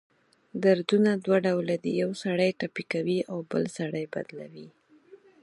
دردونه دوه ډؤله دی: یؤ سړی ټپي کوي اؤ بل سړی بدلؤي.